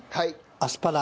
アスパラ。